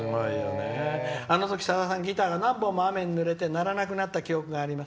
「あの時、さださんがギターがぬれて何本か鳴らなくなった記憶があります」。